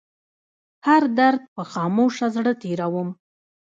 هر درد په خاموشه زړه تيروم